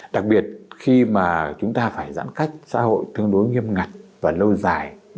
đặc biệt khi mà chúng ta phải giãn cách xã hội tương đối nghiêm ngặt và lâu dài